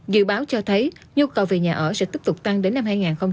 dự báo cho thấy nhu cầu về nhà ở sẽ tiếp tục tăng đến năm hai nghìn hai mươi